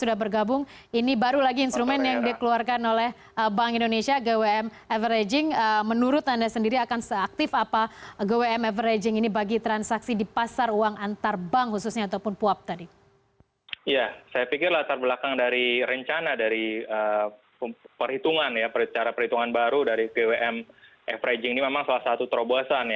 dari rencana dari perhitungan cara perhitungan baru dari gwm averaging ini memang salah satu terobosan